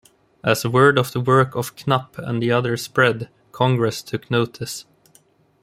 As word of the work of Knapp and the others spread, Congress took notice.